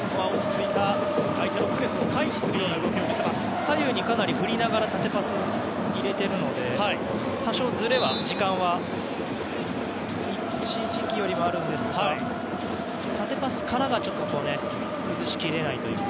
今、左右にかなり振りながら縦パスを入れていますので多少ずれは一時期よりあるんですが縦パスからが崩しきれないというか。